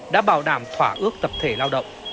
đã bảo đảm thỏa ước tập thể lao động